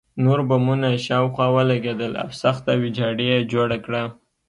نور بمونه شاوخوا ولګېدل او سخته ویجاړي یې جوړه کړه